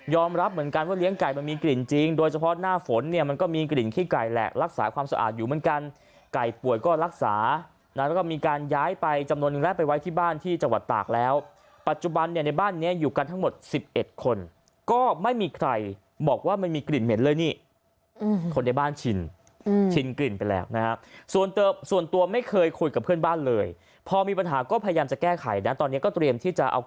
ยอมรับเหมือนกันว่าเลี้ยงไก่มันมีกลิ่นจริงโดยเฉพาะหน้าฝนเนี่ยมันก็มีกลิ่นขี้ไก่แหละรักษาความสะอาดอยู่เหมือนกันไก่ป่วยก็รักษาแล้วก็มีการย้ายไปจำนวนนึงแรกไปไว้ที่บ้านที่จังหวัดตากแล้วปัจจุบันเนี่ยในบ้านเนี่ยอยู่กันทั้งหมด๑๑คนก็ไม่มีใครบอกว่ามันมีกลิ่นเหม็นเลยนี่